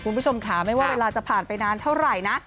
คุณผู้ชมค่ะไม่ว่าเวลาจะผ่านไปนานเท่าไหร่นะ